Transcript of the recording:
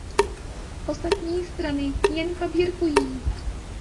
Ostatní strany jen paběrkují.